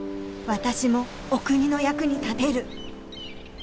私もお国の役に立てる。